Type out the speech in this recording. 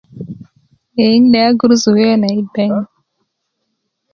ye 'n 'de'ya gurusu kuwe kune i beŋ